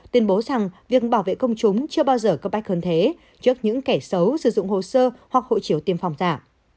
tuyên bố rằng việc bảo vệ công chúng chưa bao giờ cấp bách hơn thế trước những kẻ xấu sử dụng hồ sơ hoặc hộ chiếu tiêm phòng giả